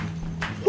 aku mau mencobanya